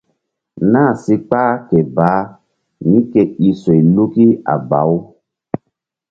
Na si kpah ke baah mí ke i soyluki a baw.